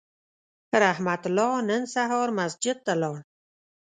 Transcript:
رحمت الله نن سهار مسجد ته لاړ